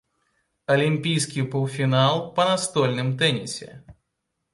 Алімпійскі паўфінал па настольным тэнісе.